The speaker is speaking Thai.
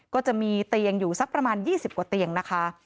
ก็จะมีเตียงอยู่สักประมาณ๒๐กว่าเตียงนะคะ